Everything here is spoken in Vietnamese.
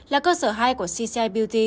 là cơ sở hai của cci beauty